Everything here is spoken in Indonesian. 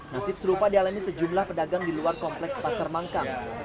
nasib serupa dialami sejumlah pedagang di luar kompleks pasar mangkang